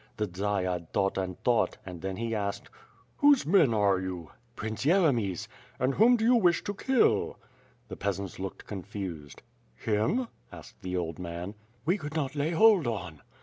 The Dziad thought and thought, and then he asked: "Whose men are you?" "Prince Yeremy's." "And whom do you wish to kill?" The peasants looked confused. "Him?" asked the old man. "We could not lay hold on."